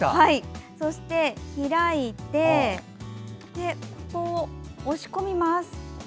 そして、開いてここを押し込みます。